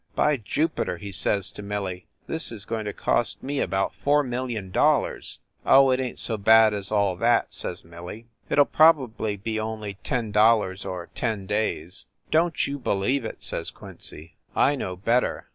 "By Jupiter!" he says to Millie, "this is going to cost me about four million dollars !" "Oh, it ain t so bad as all that !" says Millie. "It ll probably be only ten dollars or ten days. "Don t you believe it!" says Quincy. "I know better.